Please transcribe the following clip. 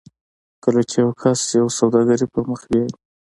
کله چې یو کس یوه سوداګري پر مخ بیایي